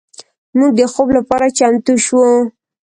موږ د خوب لپاره چمتو شو.